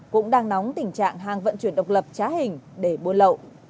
cũng đang nóng tình trạng hàng vận chuyển độc lập trá hình để buôn lậu